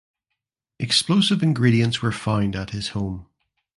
Explosive ingredients were found at his home.